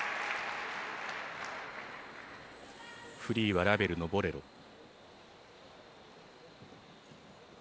フリーはラヴェルの「ボレロ」。